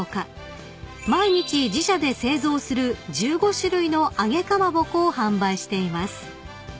毎日自社で製造する１５種類の揚げかまぼこを販売しています］